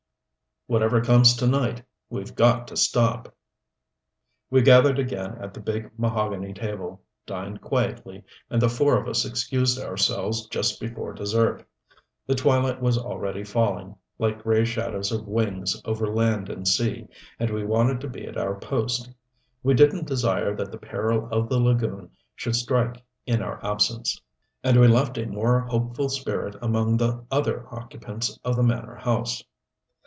Whatever comes to night we've got to stop." We gathered again at the big mahogany table, dined quietly, and the four of us excused ourselves just before dessert. The twilight was already falling like gray shadows of wings over land and sea and we wanted to be at our post. We didn't desire that the peril of the lagoon should strike in our absence. And we left a more hopeful spirit among the other occupants of the manor house.